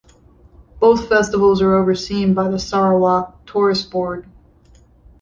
Both festivals are overseen by the Sarawak Tourist Board.